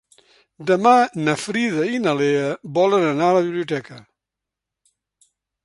Demà na Frida i na Lea volen anar a la biblioteca.